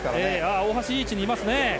大橋、いい位置にいますね。